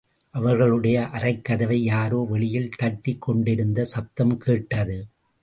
அவர்களுடைய அறைக்கதவை யாரோ வெளியில் தட்டிக் கொண்டிருந்த சப்தம் கேட்டது.